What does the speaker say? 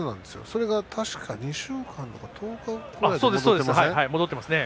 それが確か２週間とか、１０日ぐらいで戻ってますよね。